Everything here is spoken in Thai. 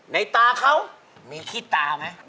ในตาเขามีขี้ตาไหม